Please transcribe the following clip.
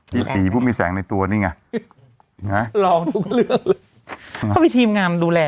มีสีผู้มีแสงในตัวนี่ไงลองทุกเรื่องเขามีทีมงามดูแล